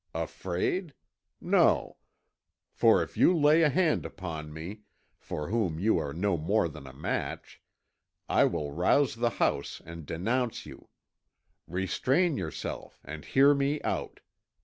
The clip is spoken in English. Afraid? No for if you lay a hand upon me, for whom you are no more than a match, I will rouse the house and denounce you. Restrain yourself and hear me out.